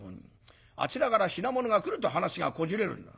あちらから品物が来ると話がこじれるんだ。